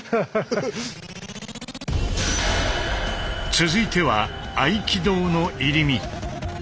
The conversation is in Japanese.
続いては合気道の入身。